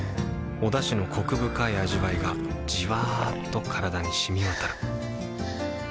おだしのコク深い味わいがじわっと体に染み渡るはぁ。